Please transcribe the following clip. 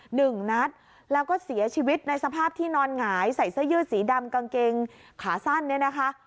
หนึ่งนัดแล้วก็เสียชีวิตในสภาพที่นอนหงายใส่เสื้อยืดสีดำกางเกงขาสั้นเนี่ยนะคะ